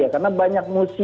karena banyak musim